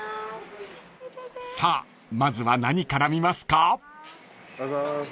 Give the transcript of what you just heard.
［さあまずは何から見ますか？］